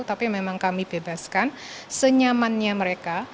tapi memang kami bebaskan senyamannya mereka